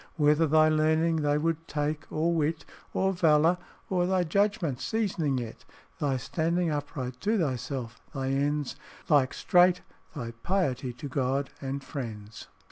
Whether thy learning they would take, or wit, Or valour, or thy judgment seasoning it, Thy standing upright to thyself, thy ends Like straight, thy piety to God and friends."